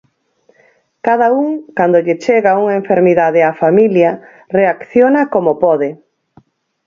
Cada un, cando lle chega unha enfermidade á familia, reacciona como pode.